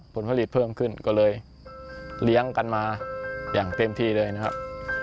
ผลผลิตเพิ่มขึ้นก็เลยเลี้ยงกันมาอย่างเต็มที่เลยนะครับ